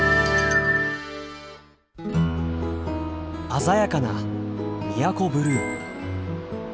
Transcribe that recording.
鮮やかな宮古ブルー。